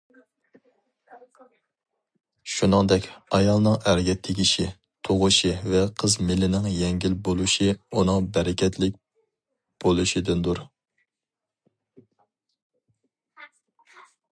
شۇنىڭدەك،« ئايالنىڭ ئەرگە تېگىشى، تۇغۇشى ۋە قىز مېلىنىڭ يەڭگىل بولۇشى ئۇنىڭ بەرىكەتلىك بولۇشىدىندۇر».